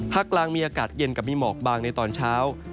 กลางมีอากาศเย็นกับมีหมอกบางในตอนเช้า